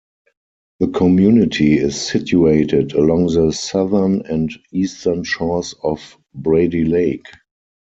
The community is situated along the southern and eastern shores of Brady Lake.